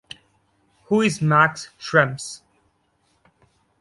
Who is Max Schrems?